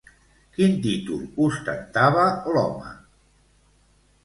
Quin títol ostentava l'home?